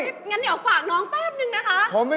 งั้นเดี๋ยวฝากน้องแป๊บนึงนะคะ